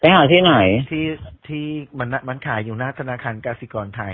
หาที่ไหนที่มันขายอยู่หน้าธนาคารกาศิกรไทย